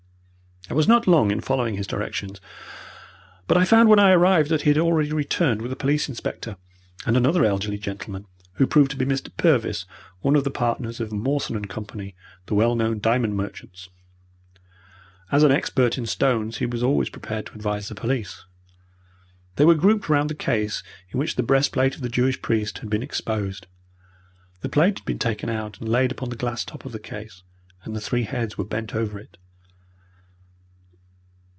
I was not long in following his directions, but I found when I arrived that he had already returned with a police inspector, and another elderly gentleman, who proved to be Mr. Purvis, one of the partners of Morson and Company, the well known diamond merchants. As an expert in stones he was always prepared to advise the police. They were grouped round the case in which the breastplate of the Jewish priest had been exposed. The plate had been taken out and laid upon the glass top of the case, and the three heads were bent over it.